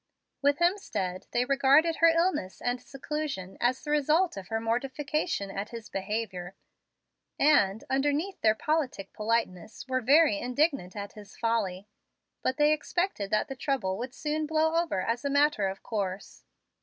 With Hemstead, they regarded her illness and seclusion as the result of her mortificatoon at his behavior, and, underneath their politic politeness, were very indignant at his folly. But they expected that the trouble would soon blow over, as a matter of course.